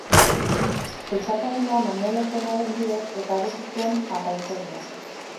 Euskaltasuna Manuel Lekuonaren bidez ezagutu zuen apaiztegian.